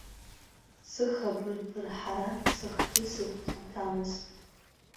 Сыхабар бырҳара сыхгьы сыгәгьы иҭамызт.